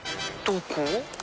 どこ？